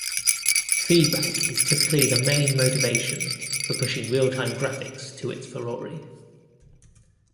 Feedback is typically the main motivation for pushing real-time graphics to its furore.